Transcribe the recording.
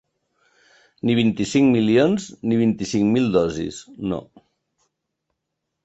Ni vint-i-cinc milions ni vint-i-cinc mil dosis, no.